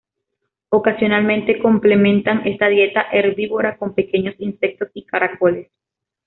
Ocasionalmente complementan esta dieta herbívora con pequeños insectos y caracoles.